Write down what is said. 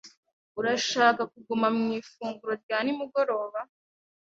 Urashaka kuguma ku ifunguro rya nimugoroba?